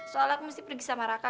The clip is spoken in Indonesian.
soalnya aku mesti pergi sama raka